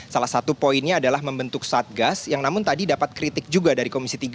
salah satu poinnya adalah membentuk satgas yang namun tadi dapat kritik juga dari komisi tiga